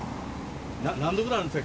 何度ぐらいあるんですか？